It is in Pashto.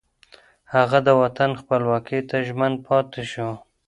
هغه د وطن خپلواکۍ ته ژمن پاتې شو